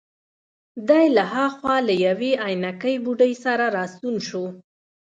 دی له هاخوا له یوې عینکې بوډۍ سره راستون شو.